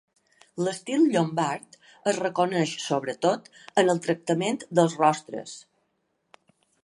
L'estil llombard es reconeix sobretot en el tractament dels rostres.